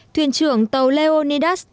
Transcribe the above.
thuyền trưởng tàu leonidas